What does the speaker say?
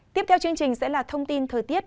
tiếp theo chương trình sẽ là thông tin thời tiết